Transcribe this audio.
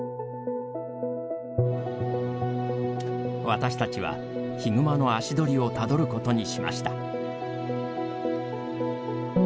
私たちは、ヒグマの足取りをたどることにしました。